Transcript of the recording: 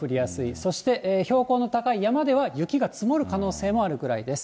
そして標高の高い山では、雪が積もる可能性もあるぐらいです。